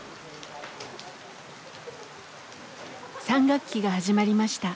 ３学期が始まりました。